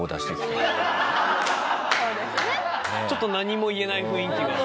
ちょっと何も言えない雰囲気が。